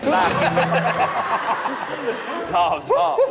น่าชอบ